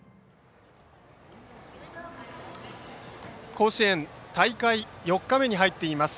甲子園大会４日目に入っています。